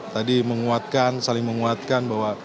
tadi menguatkan saling menguatkan bahwa